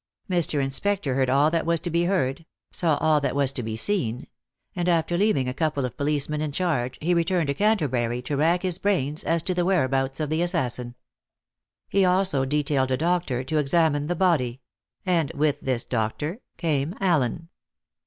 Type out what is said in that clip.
Mr. Inspector heard all that was to be heard, saw all that was to be seen; and after leaving a couple of policemen in charge, he returned to Canterbury to rack his brains as to the whereabouts of the assassin. He also detailed a doctor to examine the body; and with this doctor came Allen.